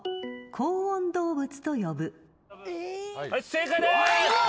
正解です！